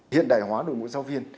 hiện đại hóa đội ngũ giáo viên